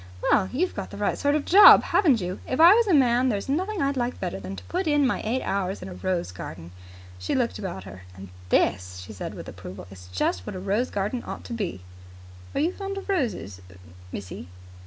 Well, you've got the right sort of a job, haven't you! If I was a man, there's nothing I'd like better than to put in my eight hours in a rose garden." She looked about her. "And this," she said with approval, "is just what a rose garden ought to be." "Are you fond of roses missy?"